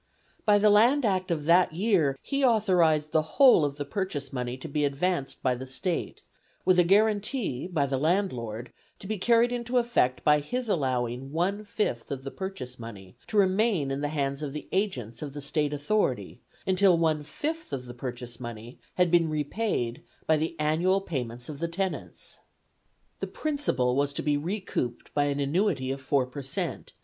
By the Land Act of that year he authorized the whole of the purchase money to be advanced by the State, with a guarantee by the landlord, to be carried into effect by his allowing one fifth of the purchase money to remain in the hands of the agents of the State Authority until one fifth of the purchase money had been repaid by the annual payments of the tenants. The principal was to be recouped by an annuity of 4 per cent.